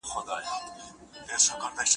چې خوږ کابل وي او نوروز وي او غاټول د سخي